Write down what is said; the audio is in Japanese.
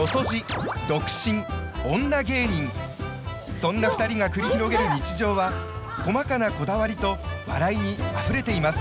そんな２人が繰り広げる日常は細かなこだわりと笑いにあふれています。